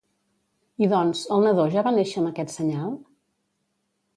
I doncs, el nadó ja va néixer amb aquest senyal?